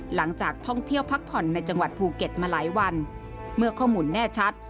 หลังจากท่องเที่ยวพักผ่อนในจังหวัดภูเก็ตมาหลายวันเมื่อข้อมูลแน่ชัด